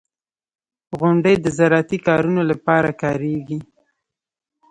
• غونډۍ د زراعتي کارونو لپاره کارېږي.